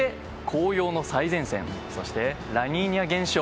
紅葉の最前線そして、ラニーニャ現象。